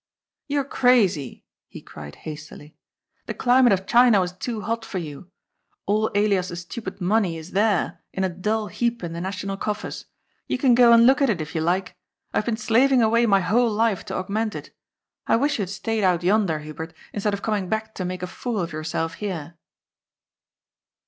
"You are crazy," he cried hastily. "The climate of China was too hot for you. All Elias's stupid money is there, in a dull heap in the National coffers. You can go and look at it, if you like. I have been slaving away my whole life to augment it. I wish you had stayed out yon BEOTHERS IN UNITY. 341 der, Hubert, instead of coining back to make a fool of your^ Belt here."